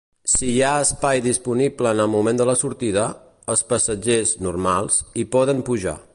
Si hi ha espai disponible en el moment de la sortida, els passatgers "normals" hi poden pujar.